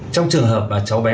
trong trường hợp là cháu bé